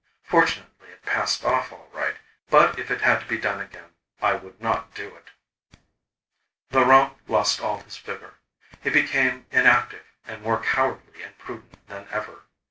Fortunately it passed off all right. But if it had to be done again, I would not do it." Laurent lost all his vigor. He became inactive, and more cowardly and prudent than ever.